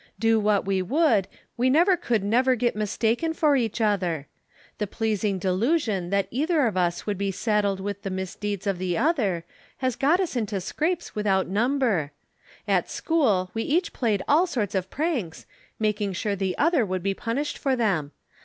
Do what we would, we never could never get mistaken for each other. The pleasing delusion that either of us would be saddled with the misdeeds of the other has got us into scrapes without number. At school we each played all sorts of pranks, making sure the other would be punished for them.